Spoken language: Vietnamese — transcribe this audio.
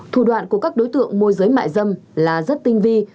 thủ đoạn của các đối tượng môi giới mại dâm là rất tinh vi